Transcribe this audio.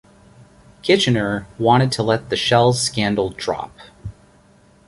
Kitchener wanted to let the Shells Scandal drop.